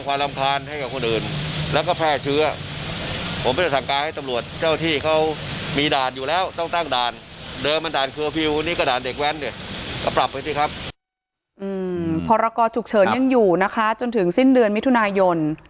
พรกรฉุกเฉินยังอยู่นะคะจนถึงสิ้นเดือนมิถุนายน